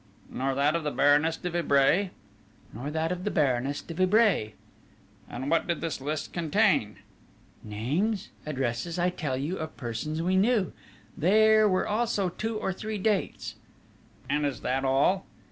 "Nor that of the Baroness de Vibray?" "Nor that of the Baroness de Vibray!" "And what did this list contain?" "Names, addresses, I tell you, of persons we knew. There were also two or three dates...." "And is that all?"